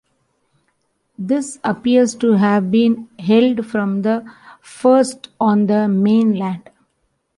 This appears to have been held from the first on the mainland.